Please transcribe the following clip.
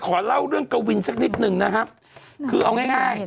ขอเล่าเรื่องกวินสักนิดนึงนะครับคือเอาง่ายง่าย